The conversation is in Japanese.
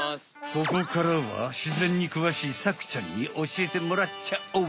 ここからはしぜんにくわしいサクちゃんにおしえてもらっちゃおう！